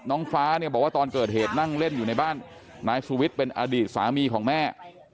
น้องฟ้าเนี่ยบอกว่าตอนเกิดเหตุนั่งเล่นอยู่ในบ้านนายสุวิทย์เป็นอดีตสามีของแม่